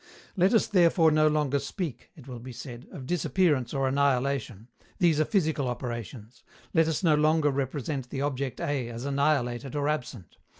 "Let us therefore no longer speak," it will be said, "of disappearance or annihilation; these are physical operations. Let us no longer represent the object A as annihilated or absent.